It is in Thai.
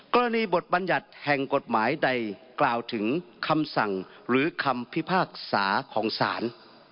กรณีบทบัญญัติแห่งกฎหมายใดกล่าวถึงคำสั่งหรือคำพิพากษาของศาล